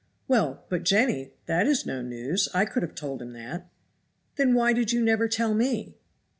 "Well! but, Jenny, that is no news, I could have told him that." "Then why did you never tell me?"